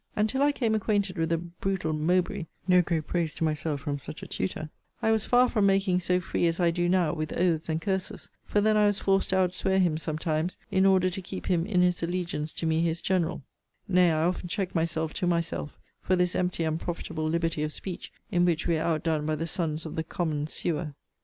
And, till I came acquainted with the brutal Mowbray, [no great praise to myself from such a tutor,] I was far from making so free as I do now, with oaths and curses; for then I was forced to out swear him sometimes in order to keep him in his allegiance to me his general: nay, I often check myself to myself, for this empty unprofitable liberty of speech; in which we are outdone by the sons of the common sewer.